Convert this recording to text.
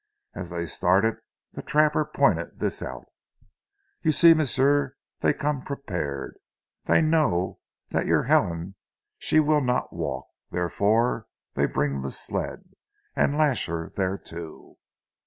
As they started, the trapper pointed this out. "You see, m'sieu, dey come prepared. Dey know dat your Helen she weel not walk; therefore dey bring zee sled, an' lash her thereto."